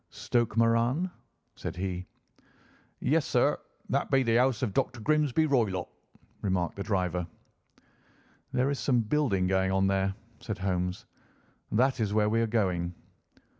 "Stoke Moran?" said he. "Yes, sir, that be the house of Dr. Grimesby Roylott," remarked the driver. "There is some building going on there," said Holmes; "that is where we are going."